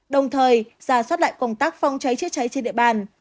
đồng thời giả soát lại công tác phòng cháy chữa cháy trên địa bàn